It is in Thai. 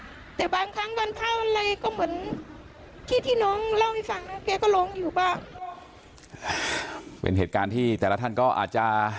ที่ที่น้องเล่าให้ฟังนะแกก็ลงอยู่บ้างเป็นเหตุการณ์ที่แต่ละท่านก็อาจจะ